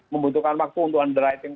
membutuhkan waktu untuk underwriting